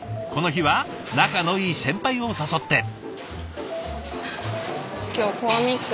この日は仲のいい先輩を誘って。